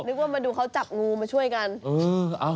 นึกว่ามาดูเขาจับงูมาช่วยกัน